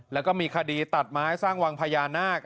แล้วก็มีคดีตัดไม้สร้างวังพญานาค